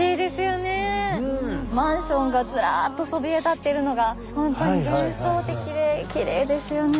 マンションがずらっとそびえ立ってるのが本当に幻想的できれいですよね。